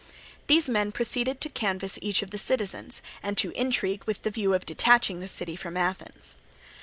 These men proceeded to canvass each of the citizens, and to intrigue with the view of detaching the city from Athens.